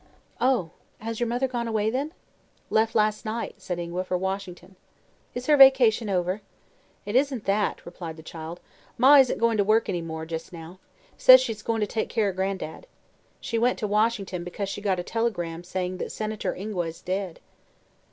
"Oh. Has your mother gone away, then?" "Left last night," said Ingua, "for Washington." "Is her vacation over?" "It isn't that," replied the child. "Ma isn't going to work any more, just now. Says she's goin' to take care o' Gran'dad. She went to Washington because she got a telegram saying that Senator Ingua is dead."